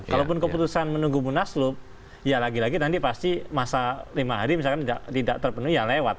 kalaupun keputusan menunggu munaslup ya lagi lagi nanti pasti masa lima hari misalkan tidak terpenuhi ya lewat